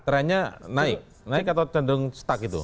trendnya naik naik atau cenderung stuck itu